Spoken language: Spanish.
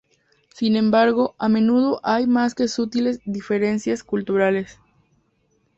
Sin embargo, a menudo hay más que sutiles diferencias culturales.